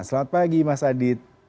selamat pagi mas adit